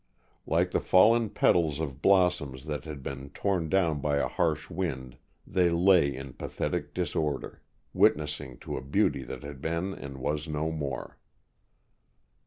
Like the fallen petals of blossoms that had been torn down by a harsh wind, they lay In pathetic disorder, witnessing to a beauty that had been and was no more.